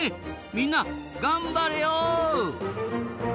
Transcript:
みんな頑張れよ！